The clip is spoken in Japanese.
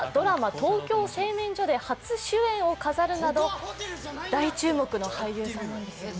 「トーキョー製麺所」で初主演を飾るなど、大注目の俳優さんなんですね。